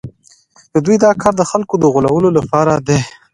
دوی دا کار د خلکو د غولولو لپاره کوي